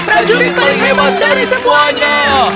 raja kerajaan yang paling hebat dari semuanya